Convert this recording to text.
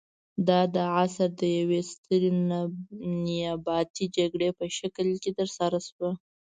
دا د عصر د یوې سترې نیابتي جګړې په شکل کې ترسره شوه.